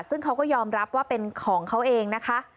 ซึ่งเขาก็ยอมรับว่าเป็นของเขาเองนะคะ